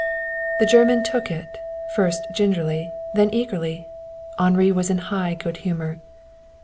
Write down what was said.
The German took it, first gingerly, then eagerly. Henri was in high good humor.